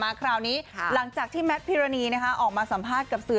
คราวนี้หลังจากที่แมทพิรณีออกมาสัมภาษณ์กับสื่อ